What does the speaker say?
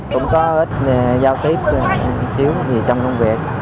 cũng có ít giao tiếp xíu gì trong công việc